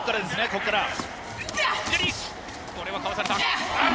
これはかわされた、右。